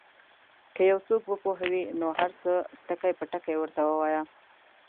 که یو څوک وپوهوې نو هر څه ټکي په ټکي ورته ووایه.